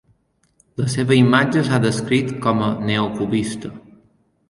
La seva imatge s'ha descrit com a "neo-cubista".